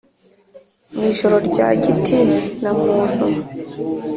mw’ijoro rya giti na muntu